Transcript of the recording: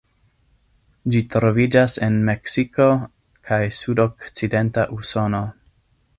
Ĝi troviĝas en Meksiko kaj sudokcidenta Usono.